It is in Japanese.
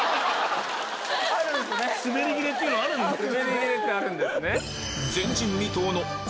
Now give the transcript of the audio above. スベり切れっていうのあるんですね。